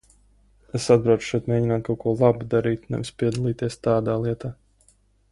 Es atbraucu šeit mēģināt kaut ko labu darīt, nevis lai piedalītos tādā lietā.